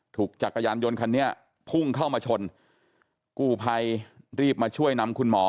จักรยานยนต์คันนี้พุ่งเข้ามาชนกู้ภัยรีบมาช่วยนำคุณหมอ